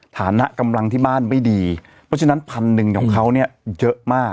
ฐานะกำลังที่บ้านไม่ดีเพราะฉะนั้นพันหนึ่งของเขาเนี่ยเยอะมาก